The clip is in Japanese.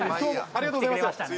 ありがとうございます。